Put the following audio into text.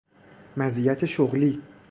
مزیت شغلی